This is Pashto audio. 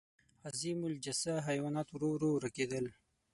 عظیم الجثه حیوانات ورو ورو ورکېدل.